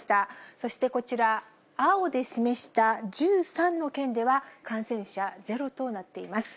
そしてこちら、青で示した１３の県では、感染者ゼロとなっています。